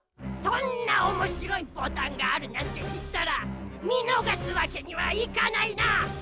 そんなおもしろいボタンがあるなんてしったらみのがすわけにはいかないな。